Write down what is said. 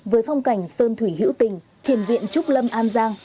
với phong cảnh sơn thủy hữu tình thiền viện trúc lâm an giang